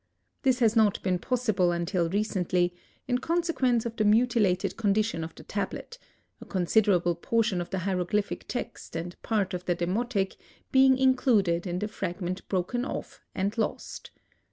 This has not been possible until recently, in consequence of the mutilated condition of the tablet, a considerable portion of the hieroglyphic text and part of the demotic, being included in the fragment broken off and lost.